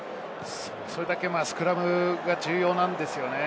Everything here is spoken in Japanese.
それだけスクラムが重要なんですよね。